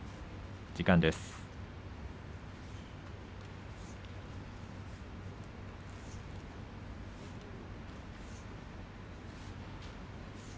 時間です。